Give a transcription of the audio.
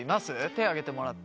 手挙げてもらって。